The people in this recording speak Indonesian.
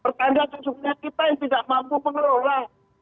pertandaan tujuhnya kita yang tidak mampu mengelola